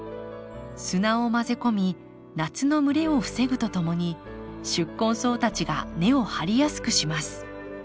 砂を混ぜ込み夏の蒸れを防ぐとともに宿根草たちが根を張りやすくします